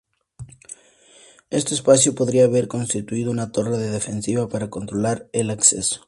Este espacio podría haber constituido una torre defensiva para controlar el acceso.